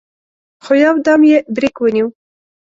خو يودم يې برېک ونيو.